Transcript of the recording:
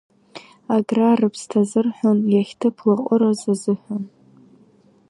Аграа рыԥсҭа азырҳәон иахьҭыԥ лаҟәыраз азыҳәан.